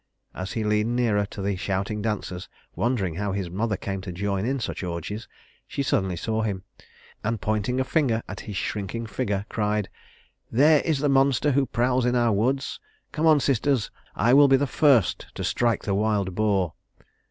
As he leaned nearer to the shouting dancers, wondering how his mother came to join in such orgies, she suddenly saw him, and pointing a finger at his shrinking figure cried: "There is the monster who prowls in our woods. Come on, sisters. I will be the first to strike the wild boar."